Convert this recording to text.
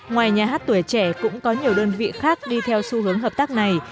ngoài nhà hát tuổi trẻ cũng có nhiều đơn vị khác đi theo xu hướng hợp tác này